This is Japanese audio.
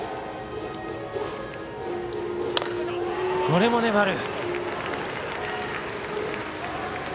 これも粘る。